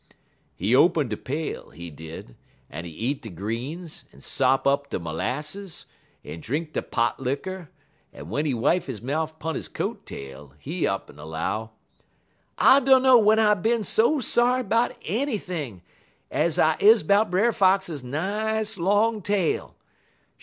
"He open de pail, he did, en he eat de greens, en sop up de 'lasses, en drink de pot liquor, en w'en he wipe he mouf 'pun he coat tail, he up'n 'low: "'I dunner w'en I bin so sorry 'bout anything, ez I is 'bout Brer Fox nice long tail.